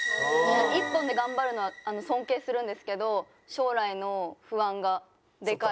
一本で頑張るのは尊敬するんですけど将来の不安がでかいです。